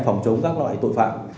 phòng chống các loại tội phạm